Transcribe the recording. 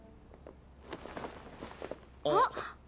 あっ。